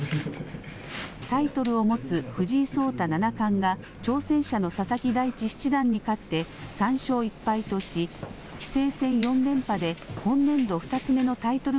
タイトルを持つ藤井聡太七冠が挑戦者の佐々木大地七段に勝って３勝１敗とし、棋聖戦４連覇で今年度２つ目のタイトル